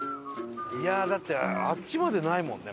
いやあだってあっちまでないもんね